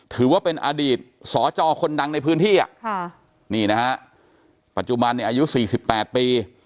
ถือว่าเป็นอดีตสจคนดังในพื้นที่อ่ะค่ะนี่นะฮะปัจจุบันเนี่ยอายุ๔๘ปี